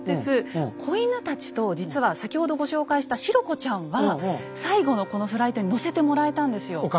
子犬たちと実は先ほどご紹介したシロ子ちゃんは最後のこのフライトに乗せてもらえたんですよ。